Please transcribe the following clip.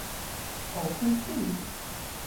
Owgh hwi kuv?